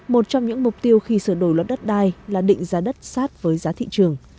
một trong những mục tiêu khi sửa đổi luật đất đai là định giá đất sát với giá thị trường